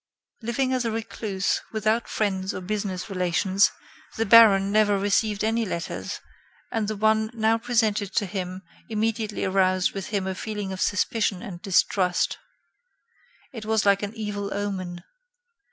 Living as a recluse, without friends or business relations, the baron never received any letters, and the one now presented to him immediately aroused within him a feeling of suspicion and distrust. It was like an evil omen.